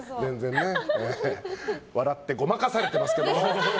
笑ってごまかされてますけど。